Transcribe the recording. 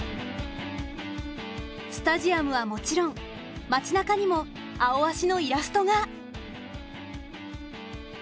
スタジアムはもちろん街なかにも「アオアシ」のイラストが。